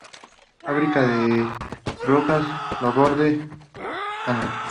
Fábrica de brocas Laborde Hnos.